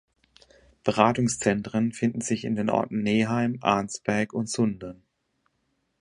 Beratungszentren finden sich in den Orten Neheim, Arnsberg und Sundern.